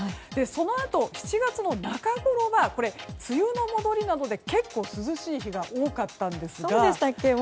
そのあと、７月の中ごろが梅雨の戻りなので結構、涼しい日が多かったんですが。